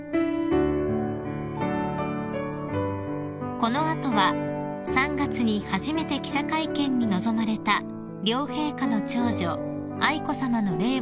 ［この後は３月に初めて記者会見に臨まれた両陛下の長女愛子さまの令和